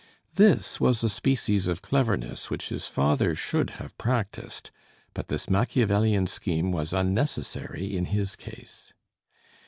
This was a species of cleverness which his father should have practiced; but this Machiavellian scheme was unnecessary in his case.